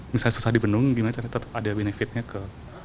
misalnya susah di bendung gimana caranya tetap ada benefitnya ke